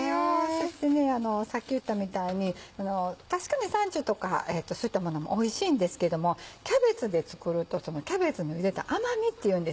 そしてさっき言ったみたいに確かにサンチュとかそういったものもおいしいんですけどもキャベツで作るとキャベツのゆでた甘味っていうんですか